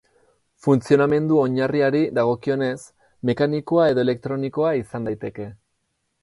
Funtzionamendu oinarriari dagokionez, mekanikoa edo elektronikoa izan daiteke.